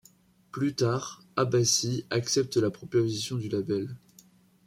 Plus tard, Abasi accepte la proposition du label.